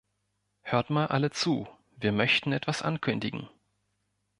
Hört mal alle zu, wir möchten etwas ankündigen.